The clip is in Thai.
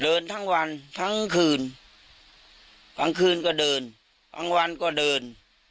เดินทั้งวันทั้งคืนกลางคืนก็เดินกลางวันก็เดิน